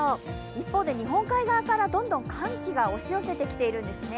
一方で日本海側から寒気が押し寄せてきているんですね。